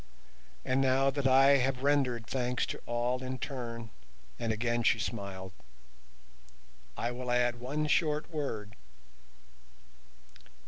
And now that I have rendered thanks to all in turn"—and again she smiled—"I will add one short word.